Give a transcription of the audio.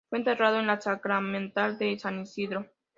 Fue enterrado en la Sacramental de San Isidro.